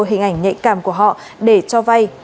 hình ảnh nhạy cảm của họ để cho vay